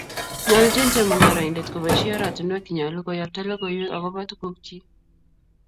Nyoljin chemungaraindet kobaishe ortinwek chenyolu koyabta logoiwek akobo tugukchi